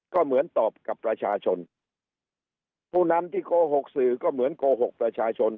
ก็เหมือนตอบกับประชาชนผู้นำที่โกหกสื่อก็เหมือนโกหกประชาชน